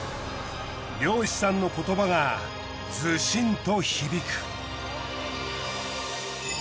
漁師さんの言葉がずしんと響く。